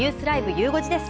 ゆう５時です。